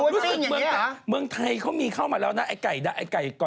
รู้สึกเหมือนเมืองไทยแล้วก็เวฟกันได้